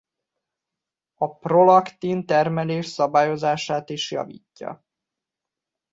A prolaktin-termelés szabályozását is javítja.